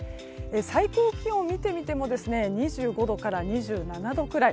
最高気温を見てみても２５度から２７度ぐらい。